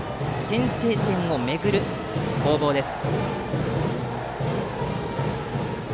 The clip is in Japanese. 先制点をめぐる攻防です。